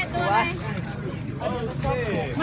ครับโอเค